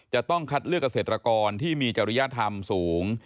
จะต้องคัดเลือกเกษตรกรที่มีจริยธรรมสูง